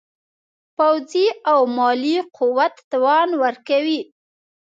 پوځي او مالي قوت توان ورکوي.